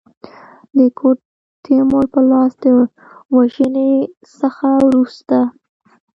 د ګوډ تیمور په لاس د وژني څخه وروسته.